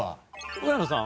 上野さん